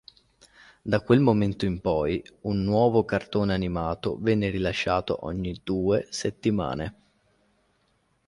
Da quel momento in poi, un nuovo cartone animato venne rilasciato ogni due settimane.